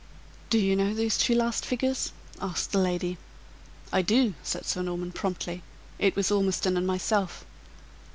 "Do you know those two last figures!" asked the lady. "I do," said Sir Norman, promptly; "it was Ormiston and myself."